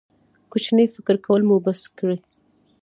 کوچنی فکر کول مو بس کړئ.